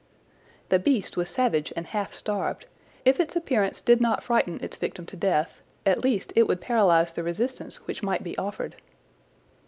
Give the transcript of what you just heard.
"The beast was savage and half starved. If its appearance did not frighten its victim to death, at least it would paralyze the resistance which might be offered."